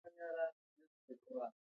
هره چاره بايد د خلکو د خدمت په موخه وي